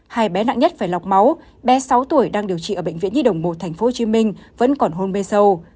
hai bé nặng nhất phải lọc máu bé sáu tuổi đang điều trị ở bệnh viện nhi đồng một tp hcm vẫn còn hôn mê sâu